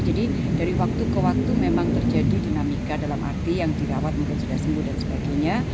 jadi dari waktu ke waktu memang terjadi dinamika dalam arti yang dirawat mungkin sudah sembuh dan sebagainya